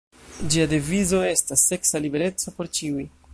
Ĝia devizo estas "seksa libereco por ĉiuj".